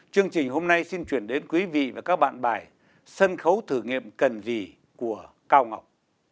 chương trình hôm nay xin chuyển đến quý vị và các bạn bài sân khấu thử nghiệm cần gì của cao ngọc